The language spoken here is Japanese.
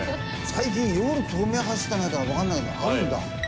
最近夜東名走ってないからわかんないけどあるんだ。